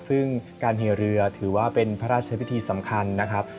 ซึ่งการเหเรือถือว่าเป็นพระราชพิธีสำคัญนะครับ